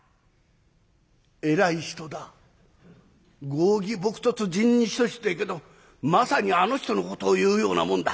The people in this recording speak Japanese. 『剛毅木訥仁に近し』と言うけどまさにあの人のことを言うようなもんだ。